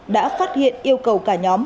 đã phát hiện yêu cầu cả nhóm